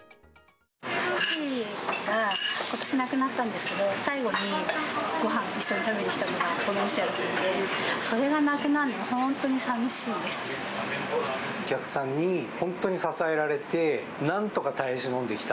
父がことし亡くなったんですけど、最後にごはんを一緒に食べに来たのがこの店だったので、それがなお客さんに本当に支えられて、なんとか耐え忍んできた。